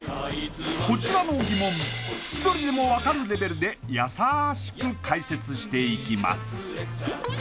こちらの疑問千鳥でも分かるレベルでやさしく解説していきます